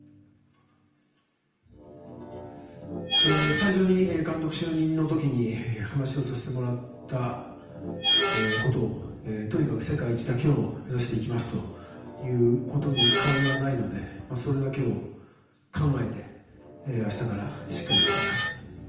最初に監督就任の時に話をさせてもらったことをとにかく世界一だけを目指していきますということに変わりはないのでそれだけを考えて明日からしっかりやってきます。